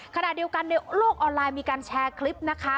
ขณะเดียวกันในโลกออนไลน์มีการแชร์คลิปนะคะ